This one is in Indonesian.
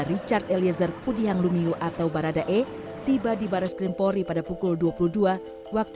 richard eliezer pudihang lumiu atau baradae tiba di baris krimpori pada pukul dua puluh dua waktu